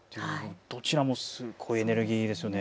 どちらもすごいエネルギーですよね。